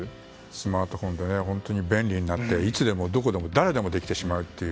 スマートフォンって本当に便利になっていつでも、どこでも誰でもできてしまうという。